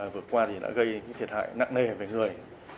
vừa qua thì đã gây thiệt hại nặng nề về người